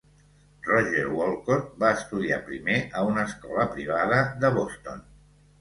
Roger Wolcott va estudiar primer a una escola privada de Boston.